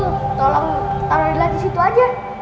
tuh tolong taruh di situ aja